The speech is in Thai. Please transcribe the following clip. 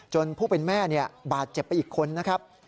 ผู้เป็นแม่บาดเจ็บไปอีกคนนะครับ